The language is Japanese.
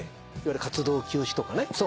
いわゆる活動休止とかね。